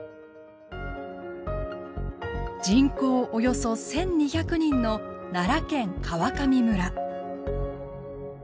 人口およそ１，２００人の奈良県川上村。